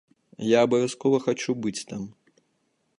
Я абавязкова хачу быць там.